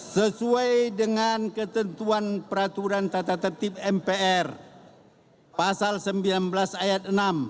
sesuai dengan ketentuan peraturan tata tertib mpr pasal sembilan belas ayat enam